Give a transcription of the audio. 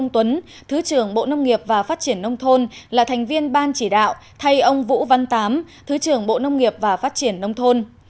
tuấn thứ trưởng bộ nông nghiệp và phát triển nông thôn là thành viên ban chỉ đạo thay ông vũ văn tám thứ trưởng bộ nông nghiệp và phát triển nông thôn